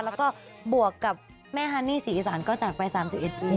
แล้วก็บวกกับแม่ฮันนี่ศรีอีสานก็จะไปสามสิบเอ็ดปี